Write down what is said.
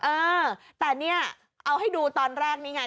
เออแต่เนี่ยเอาให้ดูตอนแรกนี่ไง